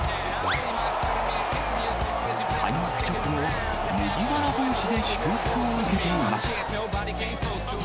開幕直後は麦わら帽子で祝福を受けていました。